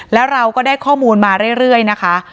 แล้วเราก็ได้ข้อมูลมาเรื่อยนะคะ